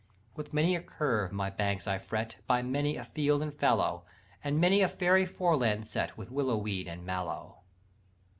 "With many a curve my banks I fret, By many a field and fallow, And many a fairy foreland set With willow weed and mallow.